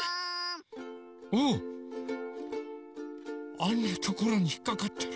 あんなところにひっかかってる。